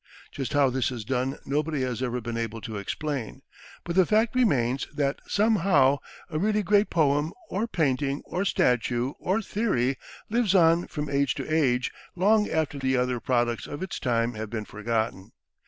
Just how this is done nobody has ever been able to explain; but the fact remains that, somehow, a really great poem or painting or statue or theory lives on from age to age, long after the other products of its time have been forgotten.